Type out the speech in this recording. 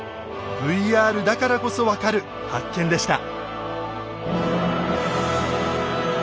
ＶＲだからこそ分かる発見でした。